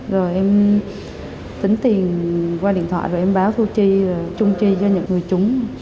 rồi em tính tiền qua điện thoại rồi em báo thu tri trung tri cho những người chúng